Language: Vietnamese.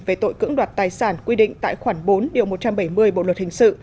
về tội cưỡng đoạt tài sản quy định tại khoảng bốn một trăm bảy mươi bộ luật hình sự